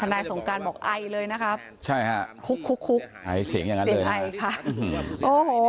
ทนายสงการบอกไอเลยนะครับคุกค่ะสินไอโอ้โห